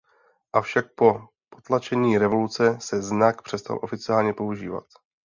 Avšak po potlačení revoluce se znak přestal oficiálně používat.